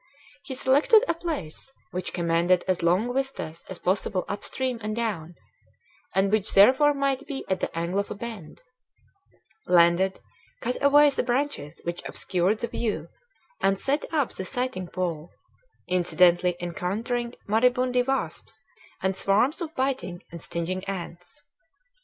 He selected a place which commanded as long vistas as possible up stream and down, and which therefore might be at the angle of a bend; landed; cut away the branches which obstructed the view; and set up the sighting pole incidentally encountering maribundi wasps and swarms of biting and stinging ants.